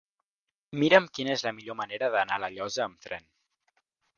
Mira'm quina és la millor manera d'anar a La Llosa amb tren.